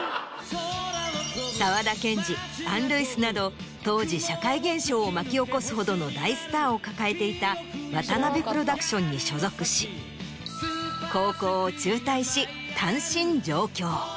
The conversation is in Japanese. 沢田研二アン・ルイスなど当時社会現象を巻き起こすほどの大スターを抱えていた渡辺プロダクションに所属し高校を中退し単身上京。